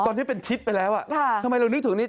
ตอนนี้เป็นทิศไปแล้วทำไมเรานึกถึงนี้